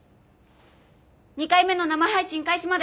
２回目の生配信開始まで